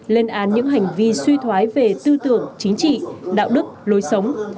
lên án những hành vi suy thoái về tư tưởng chính trị đạo đức lối sống